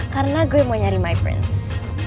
karena gue mau nyari my prince